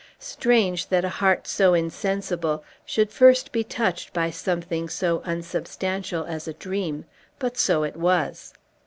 Strange that a heart so insensible should first be touched by something so unsubstantial as a dream; but so it was.